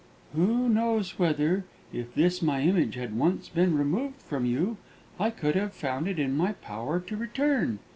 "Who knows whether, if this my image had once been removed from you, I could have found it in my power to return?"